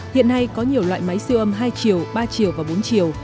hiện nay có nhiều loại máy siêu âm hai chiều ba chiều và bốn chiều